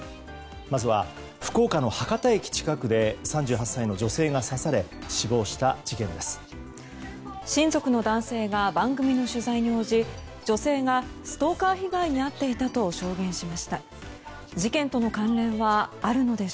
まずは福岡の博多駅近くで３８歳の女性が刺され死亡した事件です。